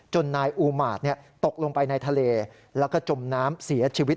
นายอูมาตตกลงไปในทะเลแล้วก็จมน้ำเสียชีวิต